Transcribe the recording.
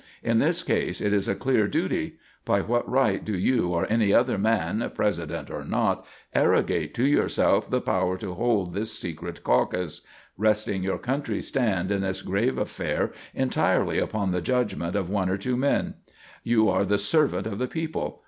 In this case it is a clear duty. By what right do you or any other man, president or not, arrogate to yourself the power to hold this secret caucus, resting your country's stand in this grave affair entirely upon the judgment of one or two men? You are the servant of the people.